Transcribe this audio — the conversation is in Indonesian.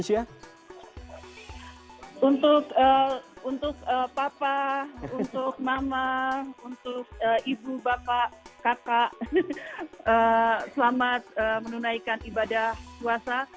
selamat menunaikan ibadah puasa